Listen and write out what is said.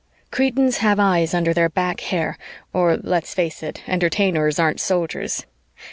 Cretans have eyes under their back hair, or let's face it, Entertainers aren't Soldiers.